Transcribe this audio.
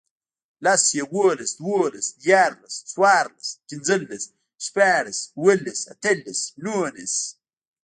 لس, یوولس, دوولس, دیرلس، څوارلس, پنځلس, شپاړس, اووهلس, اتهلس, نورلس